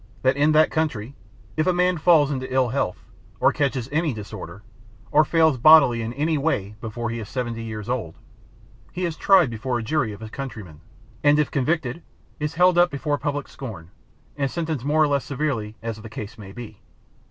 That in that country if a man falls into ill health, or catches any disorder, or fails bodily in any way before he is seventy years old, he is tried before a jury of his countrymen, and if convicted is held up to public scorn and sentenced more or less severely as the case may be.